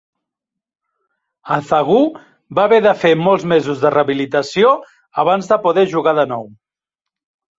Azagough va haver de fer molts mesos de rehabilitació abans de poder jugar de nou.